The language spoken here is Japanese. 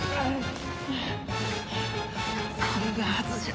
こんなはずじゃ。